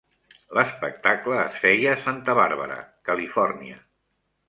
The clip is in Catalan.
L'espectacle es feia a Santa Bàrbara, Califòrnia.